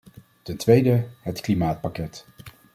Ten tweede: het klimaatpakket.